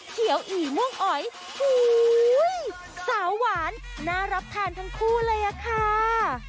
เขียวอีม่วงอ๋อยสาวหวานน่ารับทานทั้งคู่เลยอะค่ะ